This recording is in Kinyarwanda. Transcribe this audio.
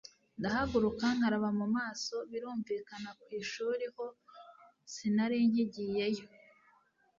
ndahaguruka nkaraba mumaso, birumvikana kwishuri ho sinarinkigiyeyo